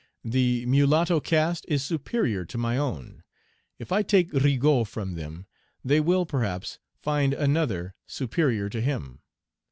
The mulatto caste is superior to my own. If I take Rigaud from them, they will, perhaps, find another superior to him.